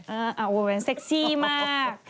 เออเอาไว้เซ็กซี่มาก